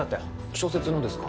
小説のですか？